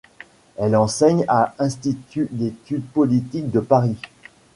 Elle enseigne à Institut d'études politiques de Paris.